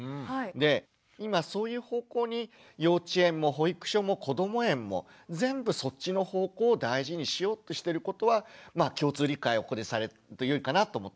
で今そういう方向に幼稚園も保育所もこども園も全部そっちの方向を大事にしようとしてることはまあ共通理解をここでされるとよいかなと思っています。